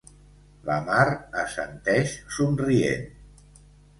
La Mar assenteix somrient.